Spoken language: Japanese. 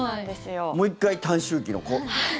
もう１回、短周期の。